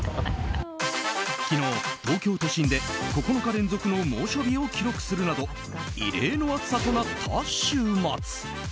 昨日、東京都心で９日連続の猛暑日を記録するなど異例の暑さとなった週末。